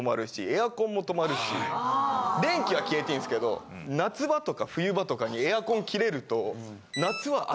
・あ・電気は消えていいんですけど夏場とか冬場とかにエアコン切れると。